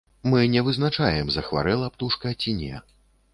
Мы не вызначаем, захварэла птушка ці не.